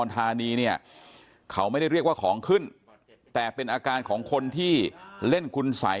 ธานีเนี่ยเขาไม่ได้เรียกว่าของขึ้นแต่เป็นอาการของคนที่เล่นคุณสัย